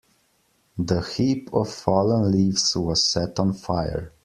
The heap of fallen leaves was set on fire.